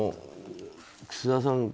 楠田さん